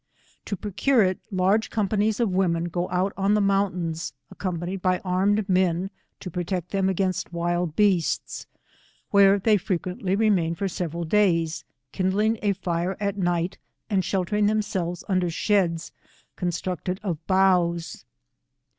To procure it, large companies of women go out on the mountains, accompanied by armed men, to protect thera against wild beasts, where they frequently remain for several days, kindling a fire at night, and sheltering themselves under sheds constructed of boughs.